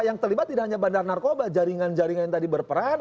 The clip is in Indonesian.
yang terlibat tidak hanya bandar narkoba jaringan jaringan yang tadi berperan